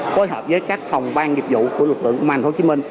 phối hợp với các phòng ban dịch vụ của lực lượng công an tp hcm